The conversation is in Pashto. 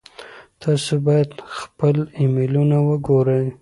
تاسو باید خپل ایمیلونه وګورئ.